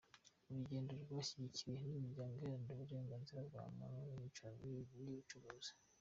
Uru rugendo rwashyigikiwe n’imiryango iharanira uburenganzira bwa muntu, n’iy’ubucuruzi.